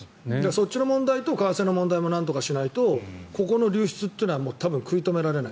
そっちの問題と為替の問題をなんとかしないとここの流出は多分食い止められない。